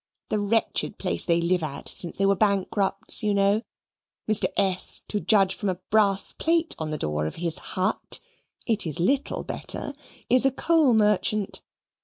The wretched place they live at, since they were bankrupts, you know Mr. S., to judge from a BRASS PLATE on the door of his hut (it is little better) is a coal merchant.